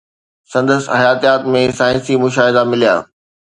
سندس حياتيات ۾ سائنسي مشاهدا مليا